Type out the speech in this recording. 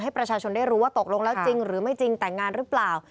ประชาชนได้รู้ว่าตกลงแล้วจริงหรือไม่จริงแต่งงานหรือเปล่า